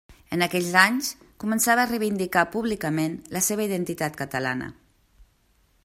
En aquells anys, començava a reivindicar públicament la seva identitat catalana.